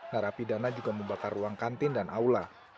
narapidana juga membakar ruang kantin dan aula